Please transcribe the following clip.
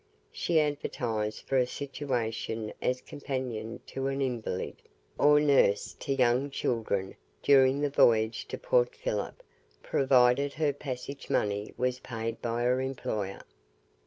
She advertized for a situation as companion to an invalid, or nurse to young children, during the voyage to Port Philip, provided her passage money was paid by her employer.